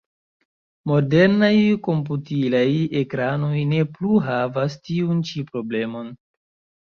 Modernaj komputilaj ekranoj ne plu havas tiun ĉi problemon.